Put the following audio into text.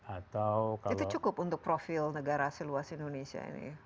atau itu cukup untuk profil negara seluas indonesia ini